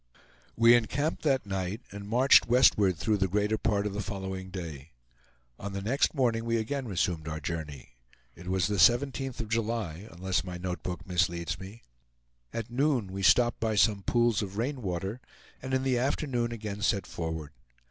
We encamped that night, and marched westward through the greater part of the following day. On the next morning we again resumed our journey. It was the 17th of July, unless my notebook misleads me. At noon we stopped by some pools of rain water, and in the afternoon again set forward.